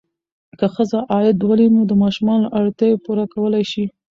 که ښځه عاید ولري، نو د ماشومانو اړتیاوې پوره کولی شي.